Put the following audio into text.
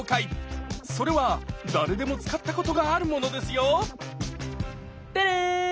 それは誰でも使ったことがあるものですよテレーン！